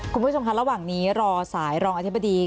คุณผู้ชมค่ะระหว่างนี้รอสายรองอธิบดี